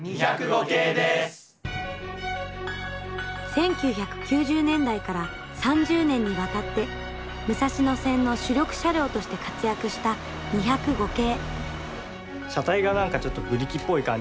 １９９０年代から３０年にわたって武蔵野線の主力車両として活躍した２０５系。